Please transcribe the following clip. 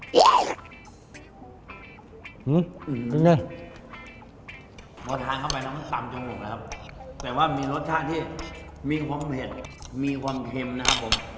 อืมพอทานเข้าไปแล้วมันตำจมูกนะครับแต่ว่ามีรสชาติที่มีความเผ็ดมีความเค็มนะครับผม